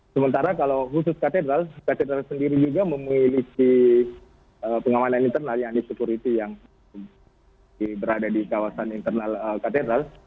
sementara kalau khusus katedral katedral sendiri juga memiliki pengamanan internal yang di security yang berada di kawasan internal katedral